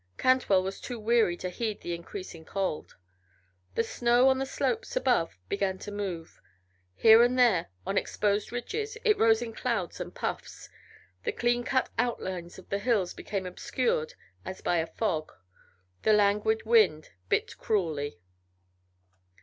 Cantwell was too weary to heed the increasing cold. The snow on the slopes above began to move; here and there, on exposed ridges, it rose in clouds and puffs; the cleancut outlines of the hills became obscured as by a fog; the languid wind bit cruelly.